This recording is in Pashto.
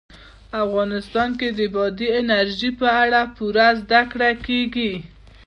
افغانستان کې د بادي انرژي په اړه پوره زده کړه کېږي.